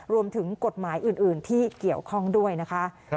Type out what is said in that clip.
รวมถึงกฎหมายอื่นที่เกี่ยวข้องด้วยนะคะ